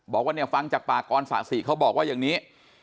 บอกว่าเนี่ยฟังจากปากกรสะสิเขาบอกว่าอย่างนี้